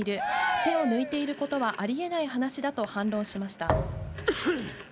手を抜いていることはあり得ない話だと反論しました。